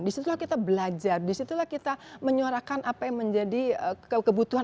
disitulah kita belajar disitulah kita menyuarakan apa yang menjadi kebutuhan